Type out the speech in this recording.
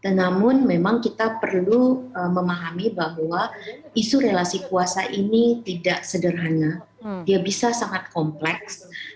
namun memang kita perlu memahami bahwa isu relasi kuasa ini tidak sederhana dia bisa sangat kompleks